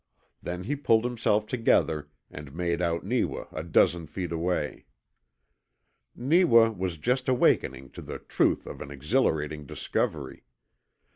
Then he pulled himself together, and made out Neewa a dozen feet away. Neewa was just awakening to the truth of an exhilarating discovery.